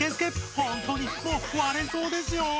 ほんとにもう割れそうですよ！